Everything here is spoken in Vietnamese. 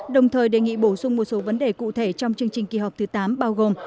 đồng thời đề nghị bổ sung một số vấn đề cụ thể trong chương trình kỳ họp thứ tám bao gồm